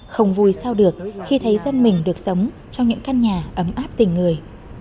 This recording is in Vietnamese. không vui sao được khi thấy dân mình được sống trong những căn nhà ấm áp tình người